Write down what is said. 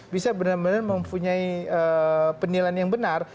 bisa benar benar mempunyai penilaian yang benar